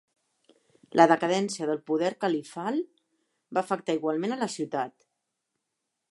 La decadència del poder califal va afectar igualment a la ciutat.